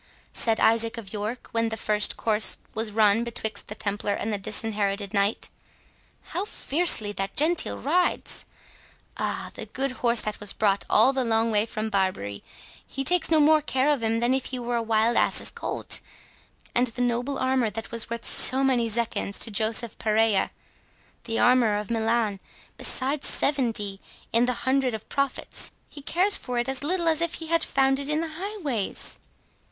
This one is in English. said Isaac of York, when the first course was run betwixt the Templar and the Disinherited Knight, "how fiercely that Gentile rides! Ah, the good horse that was brought all the long way from Barbary, he takes no more care of him than if he were a wild ass's colt—and the noble armour, that was worth so many zecchins to Joseph Pareira, the armourer of Milan, besides seventy in the hundred of profits, he cares for it as little as if he had found it in the highways!"